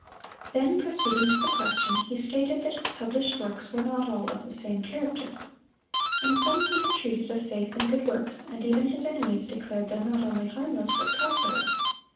(219) Then, proceeding to the question, he stated that his published works were not all of the same character. In some he had treated of faith and good works, and even his enemies declared them not only harmless but profitable.